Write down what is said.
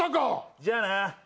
じゃあな。